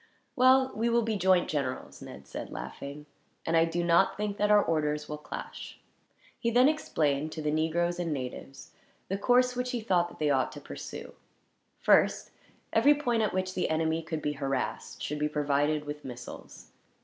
"Well, we will be joint generals," Ned said, laughing; "and I do not think that our orders will clash." He then explained, to the negroes and natives, the course which he thought that they ought to pursue. First, every point at which the enemy could be harassed should be provided with missiles.